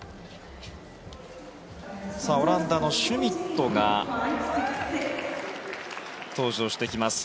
オランダのシュミットが登場してきます。